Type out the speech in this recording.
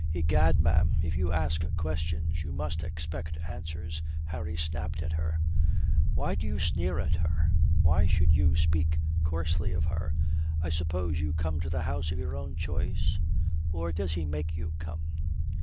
"Egad, ma'am, if you ask questions, you must expect answers," Harry snapped at her. "Why do you sneer at her? Why should you speak coarsely of her? I suppose you come to the house of your own choice? Or does he make you come?"